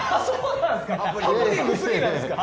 ハプニング過ぎないですか。